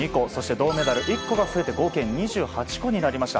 銅メダル１個で合計２８個になりました。